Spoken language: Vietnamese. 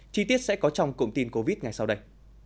chi tiết sẽ có trong cụm tin covid ngay sau đây